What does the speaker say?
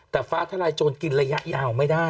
แต่ฟ้าทลายโจรกินระยะยาวไม่ได้